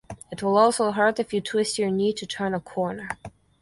It will also hurt if you twist your knee to turn a corner.